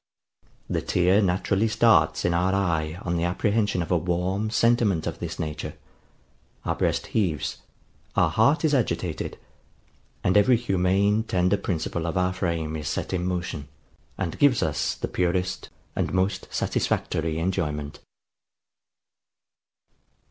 The tear naturally starts in our eye on the apprehension of a warm sentiment of this nature: our breast heaves, our heart is agitated, and every humane tender principle of our frame is set in motion, and gives us the purest and most satisfactory enjoyment.